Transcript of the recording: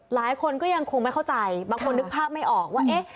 หลายคนก็ยังคงไม่เข้าใจบางคนนึกภาพไม่ออกว่าเอ๊ะ